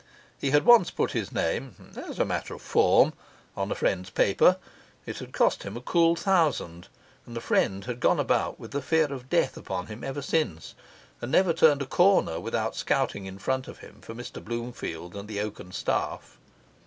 He had once put his name (as a matter of form) on a friend's paper; it had cost him a cool thousand; and the friend had gone about with the fear of death upon him ever since, and never turned a corner without scouting in front of him for Mr Bloomfield and the oaken staff.